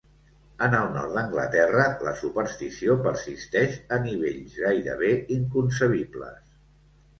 En el nord d'Anglaterra, la superstició persisteix a nivells gairebé inconcebibles.